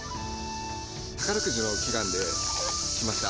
宝くじの祈願で来ました。